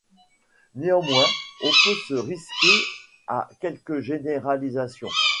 Néanmoins on peut se risquer à quelques généralisations.